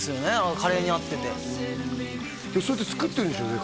カレーに合っててそうやって作ってるんでしょうね